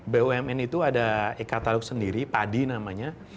bumn itu ada e katalog sendiri padi namanya